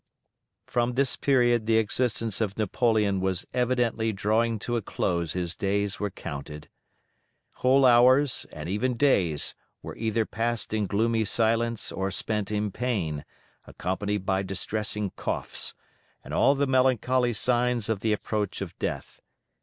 '" From this period the existence of Napoleon was evidently drawing to a close, his days were counted. Whole hours, and even days, were either passed in gloomy silence or spent in pain, accompanied by distressing coughs, and all the melancholy signs of the approach of death.